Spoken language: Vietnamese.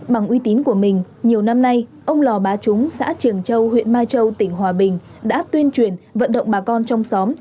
bằng uy tín của mình nhiều năm nay ông lò bá trúng xã trường châu huyện mai châu tỉnh hòa bình đã tuyên truyền vận động bà con trong xóm